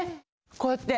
こうやって。